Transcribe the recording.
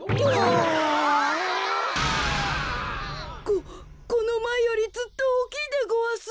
ここのまえよりずっとおおきいでごわす。